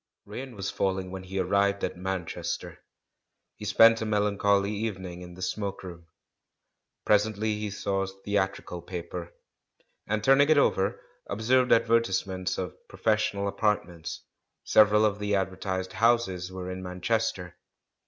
Rain was falling when he arrived at Man chester. He spent a melancholy evening in the "smoke room." Presently he saw a theatrical pa per, and turning it over, observed advertisements of "professional apatrments"; several of the ad vertised houses were in Manchester.